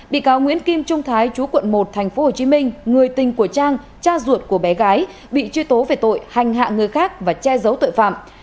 bị cáo nguyễn kim trung thái chú quận một tp hcm người tình của trang cha ruột của bé gái bị truy tố về tội hành hạ người khác và che giấu tội phạm